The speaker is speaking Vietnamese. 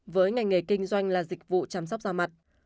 với ngành nghề kinh doanh là dịch vụ chăm sóc da mặt